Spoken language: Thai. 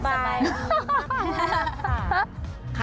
สบายมากค่ะ